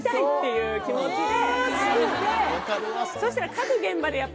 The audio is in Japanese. そしたら。